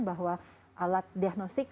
bahwa alat diagnostik